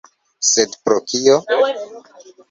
Sed pro kio?